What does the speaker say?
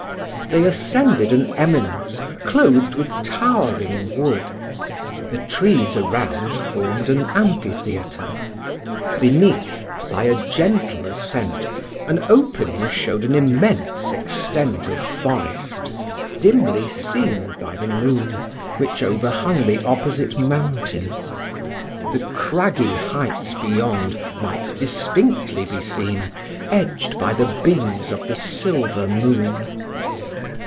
They ascended an eminence, clothed with towering wood; the trees around formed an amphitheatre. Beneath, by a gentle ascent, an opening showed an immense extent of forest, dimly seen by the moon, which overhung the opposite mountain. The craggy heights beyond might distinctly be seen, edged by the beams of the silver moon.